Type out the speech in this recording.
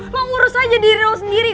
lo urus aja diri lo sendiri